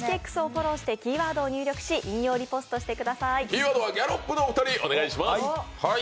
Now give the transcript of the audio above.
キーワードはギャロップのお二人お願いします。